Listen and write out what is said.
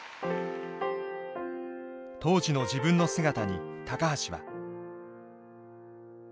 当時の自分の姿に橋は。